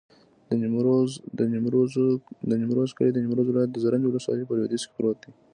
د نیمروز کلی د نیمروز ولایت، زرنج ولسوالي په لویدیځ کې پروت دی.